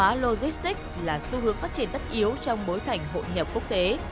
công cầu hóa logistics là xu hướng phát triển tất yếu trong bối cảnh hội nhập quốc tế